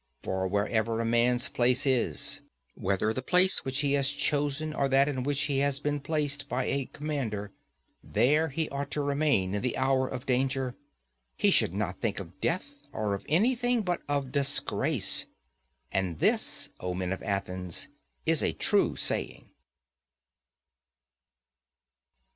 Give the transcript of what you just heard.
For wherever a man's place is, whether the place which he has chosen or that in which he has been placed by a commander, there he ought to remain in the hour of danger; he should not think of death or of anything but of disgrace. And this, O men of Athens, is a true saying.